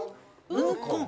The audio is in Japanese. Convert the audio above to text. ウーコン？